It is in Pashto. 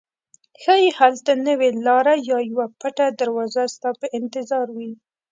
ښایي هلته نوې لاره یا یوه پټه دروازه ستا په انتظار وي.